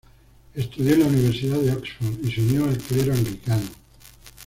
Estudió en la Universidad de Oxford y se unió al clero anglicano.